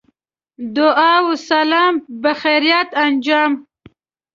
دعا و سلام بخیریت انجام.